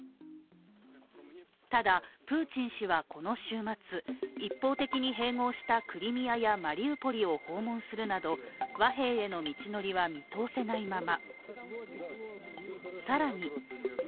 ただ、プーチン氏はこの週末、一方的に併合したクリミアやマリウポリを訪問するなど和平への道は見通せないまま。